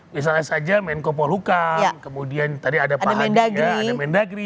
misalnya saja menko polhukam kemudian tadi ada pak nadia ada mendagri